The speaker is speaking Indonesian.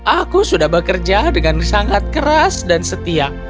aku sudah bekerja dengan sangat keras dan setia